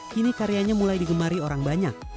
kini karyanya mulai digemari orang banyak